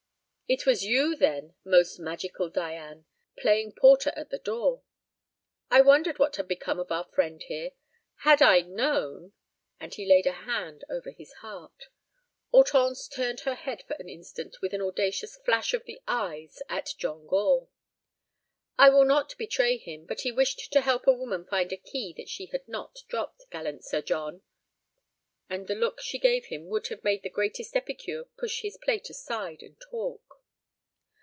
"It was you, then, most magical Dian, playing porter at the door. I wondered what had become of our friend here. Had I known—" And he laid a hand over his heart. Hortense turned her head for an instant with an audacious flash of the eyes at John Gore. "I will not betray him, but he wished to help a woman find a key that she had not dropped, gallant Sir John!" And the look she gave him would have made the greatest epicure push his plate aside and talk.